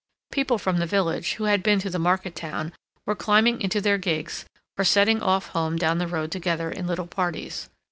People from the village, who had been to the market town, were climbing into their gigs, or setting off home down the road together in little parties.